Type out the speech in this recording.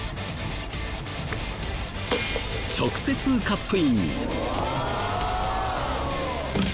直接カップイン！